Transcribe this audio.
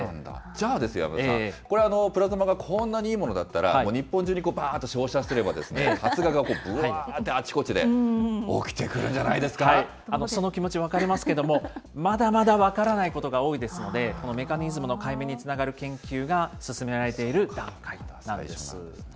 じゃあ山田さん、これ、プラズマがこんなにいいものだったら、日本中にばーっと照射すれば、発芽がぶわーって、あちこちで起きてその気持ち、分かりますけれども、まだまだ分からないことが多いですので、このメカニズムの解明につながる研究が進められている段階なんです。